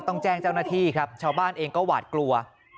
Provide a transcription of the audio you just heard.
ต้องแจ้งเจ้าหน้าที่ครับชาวบ้านเองก็หวาดกลัว